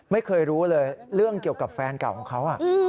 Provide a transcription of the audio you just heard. ไม่เคยรู้เลยเรื่องเกี่ยวกับแฟนเก่าของเขา